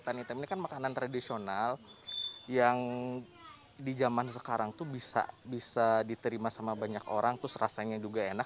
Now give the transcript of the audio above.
tani hitam ini kan makanan tradisional yang di zaman sekarang tuh bisa bisa diterima sama banyak orang terus rasanya juga enak